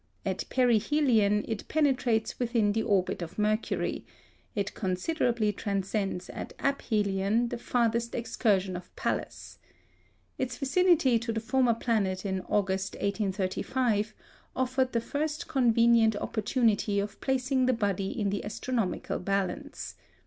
At perihelion it penetrates within the orbit of Mercury; it considerably transcends at aphelion the farthest excursion of Pallas. Its vicinity to the former planet in August, 1835, offered the first convenient opportunity of placing that body in the astronomical balance.